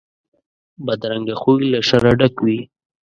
بدرنګه خوی له شره ډک وي